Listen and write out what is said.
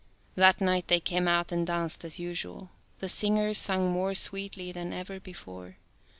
That night they came out and danced as usual. The singer sung more sweetly than ever before.